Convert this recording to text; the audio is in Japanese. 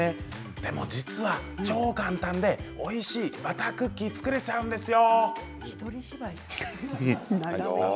でも実は超簡単でおいしいバタークッキー作れちゃうんですよ。